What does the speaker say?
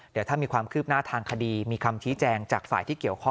เดี๋ยวถ้ามีความคืบหน้าทางคดีมีคำชี้แจงจากฝ่ายที่เกี่ยวข้อง